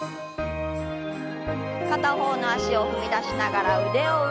片方の脚を踏み出しながら腕を上。